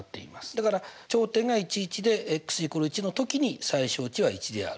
だから頂点がで＝１のときに最小値は１である。